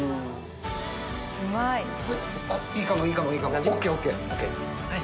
いいかも、いいかも、いいかも。